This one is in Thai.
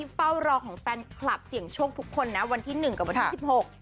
ที่เฝ้ารอของแฟนคลับเสียงโชคทุกคนนะวันที่๑กับวันที่๑๖